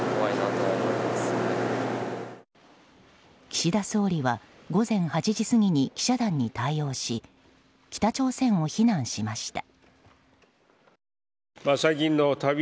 岸田総理は午前８時過ぎに記者団に対応し北朝鮮を非難しました。